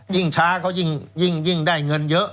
ช้าเขายิ่งได้เงินเยอะ